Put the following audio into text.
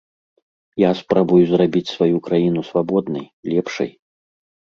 Я спрабую зрабіць сваю краіну свабоднай, лепшай.